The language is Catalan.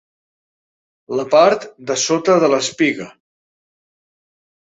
La part de sota de l'espiga.